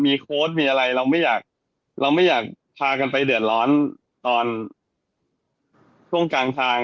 มีโค้ชมีอะไรเราไม่อยากพากันไปเดือนร้อนตอนช่วงกลางทาง